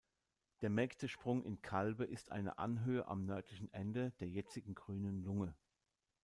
Der Mägdesprung in Calbe ist eine Anhöhe am nördlichen Ende der jetzigen „Grünen Lunge“.